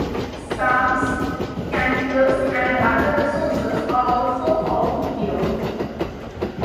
Psalms, canticles, and other resources are also found here.